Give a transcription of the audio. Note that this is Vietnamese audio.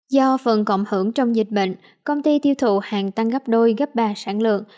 do phần cộng hưởng trong dịch bệnh công ty tiêu thụ hàng tăng gấp đôi gấp ba sản lượng